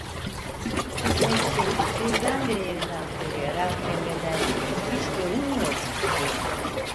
İsmet Şerif, birdenbire yerinden fırlayarak emreder gibi: "Hiç görünmüyordun!" dedi.